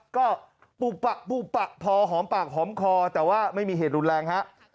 ก็ปูปะปูปะพอหอมปากหอมคอแต่ว่าไม่มีเหตุรุนแรงฮะ